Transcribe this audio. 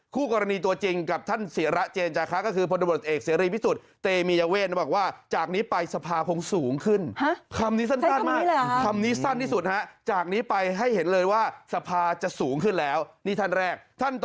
คู่กรณีตัวจริงกับท่านสีระเจียนจาคะก็คือผลบทบทศ์เอกเสียรีพิสุทธิ์